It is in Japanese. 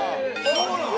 そうなん？